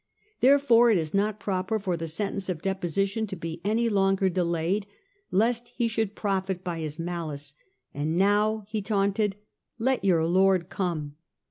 Therefore it is not proper for the sentence of deposition to be any longer delayed, lest he should profit by his malice. And now," he taunted, " let your Lord come."